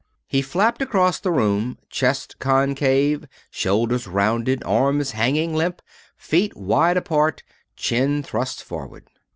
He flapped across the room, chest concave, shoulders rounded, arms hanging limp, feet wide apart, chin thrust forward.